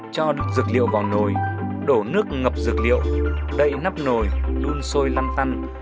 cho đục dược liệu vào nồi đổ nước ngập dược liệu đậy nắp nồi luôn sôi lăm tăn